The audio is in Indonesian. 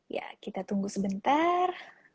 ya kita tunggu sebentar